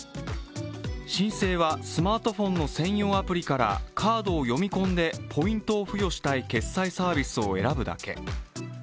申請は、スマートフォンの専用アプリからカードを読み込んでポイントを付与したい決済サービスを選ぶだけ。